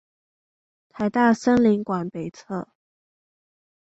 臺大森林館北側